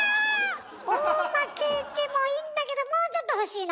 大まけでもいいんだけどもうちょっと欲しいの！